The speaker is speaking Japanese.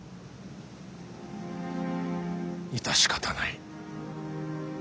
致し方ない。